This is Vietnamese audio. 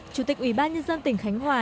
chủ tịch ủy ban nhân dân tỉnh khánh hòa